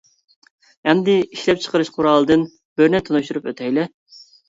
ئەمدى ئىشلەپچىقىرىش قورالىدىن بىرنى تونۇشتۇرۇپ ئۆتەيلى.